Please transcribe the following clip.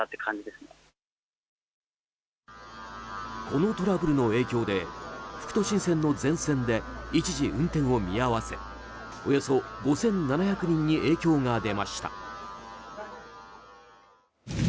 このトラブルの影響で副都心線の全線で一時運転を見合わせおよそ５７００人に影響が出ました。